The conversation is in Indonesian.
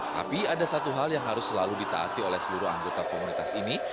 tapi ada satu hal yang harus selalu ditaati oleh seluruh anggota komunitas ini